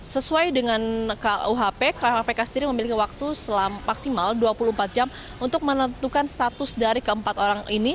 sesuai dengan kuhp kpk sendiri memiliki waktu maksimal dua puluh empat jam untuk menentukan status dari keempat orang ini